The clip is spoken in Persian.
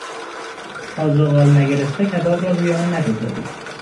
تا زغال نگرفته کباب را روی آن نگذارید.